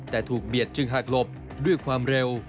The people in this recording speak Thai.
แต่ถูกเบียดจึงหากหลบด้วยความเร็ว